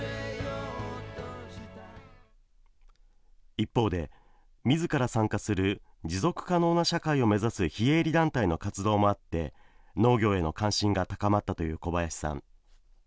一方で、みずから参加する持続可能な社会を目指す非営利団体の活動もあって農業への関心が高まったという小林さん。